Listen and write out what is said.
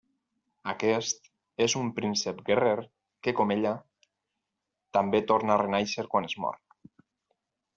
Aquest és un príncep guerrer, que com ella, també torna a renéixer quan es mor.